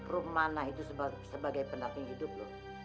rumana itu sebagai pendamping hidup lo